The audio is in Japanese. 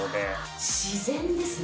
自然ですね。